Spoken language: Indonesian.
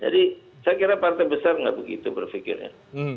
jadi saya kira partai besar nggak begitu berpikirnya